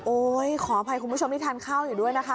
ขออภัยคุณผู้ชมที่ทานข้าวอยู่ด้วยนะคะ